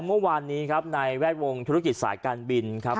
เมื่อวานนี้ครับในแวดวงธุรกิจสายการบินครับ